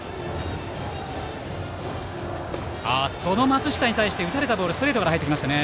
その松下に対して打たれたボールのストレートから入っていきました。